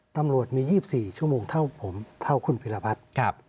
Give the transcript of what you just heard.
ตำรวจมี๒๔ชั่วโมงเท่าผมเท่าคุณพิรพัฒน์